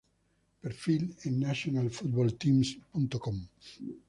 Perfil en national-football-teams.com